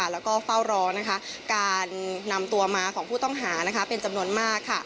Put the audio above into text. แล้วก็เฝ้ารอการนำตัวมาของผู้ต้องหาเป็นจำนวนมาก